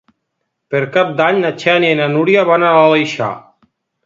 Per Cap d'Any na Xènia i na Núria van a l'Aleixar.